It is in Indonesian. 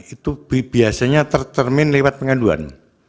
itu biasanya tercermin lewat pengaduan